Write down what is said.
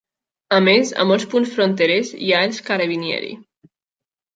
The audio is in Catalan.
A més, a molts punts fronterers hi ha els "carabinieri".